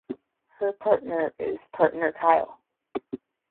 Her partner is Partner Kyle.